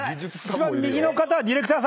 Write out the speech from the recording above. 一番右の方はディレクターさんですか？